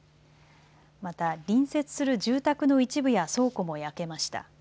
また隣接する住宅の一部や倉庫も焼けました。